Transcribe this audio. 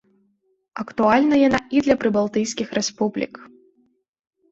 Актуальна яна і для прыбалтыйскіх рэспублік.